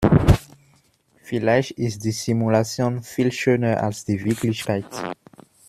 Vielleicht ist die Simulation viel schöner als die Wirklichkeit.